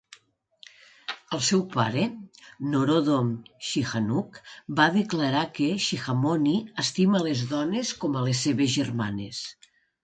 El seu pare, Norodom Sihanouk, va declarar que Sihamoni "estima les dones com a les seves germanes".